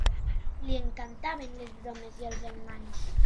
Li encantaven les bromes i els enganys.